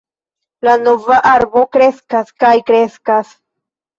La nova arbo kreskas kaj kreskas.